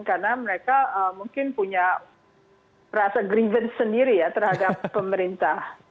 karena mereka mungkin punya rasa grievance sendiri ya terhadap pemerintah